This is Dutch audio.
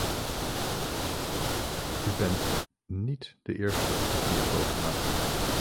U bent niet de eerste die een poging waagt.